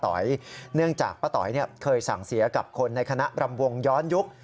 วิญญาณของป้าต๋อยเนื่องจากป้าต๋อยเนี่ยเคยสั่งเสียกับคนในคณะรำวงย้อนยุค